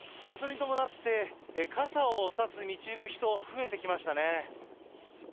それに伴って、傘を差す道行く人、増えてきましたね。